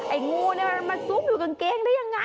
งูนี่มันมาซุกอยู่กางเกงได้ยังไง